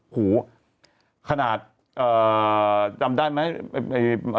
โหขนาดจำได้ไหม